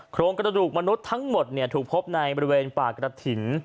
โครงกระดูกมนุษย์ทั้งหมดถูกพบในบริเวณปากกระถิ่น